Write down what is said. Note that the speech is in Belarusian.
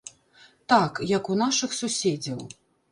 Так, як у нашых суседзяў.